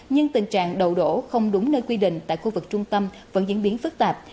nhưng tình trạng đầu đổ không đúng nơi quy định tại khu vực trung tâm vẫn diễn biến phức tạp